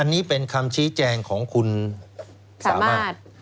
อันนี้เป็นคำชี้แจงของคุณสามารถ